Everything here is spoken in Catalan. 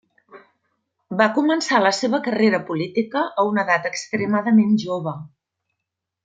Va començar la seva carrera política a una edat extremadament jove.